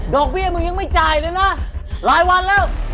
เบี้ยมึงยังไม่จ่ายเลยนะหลายวันแล้ว